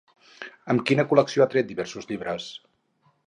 Amb quina col·lecció ha tret diversos llibres?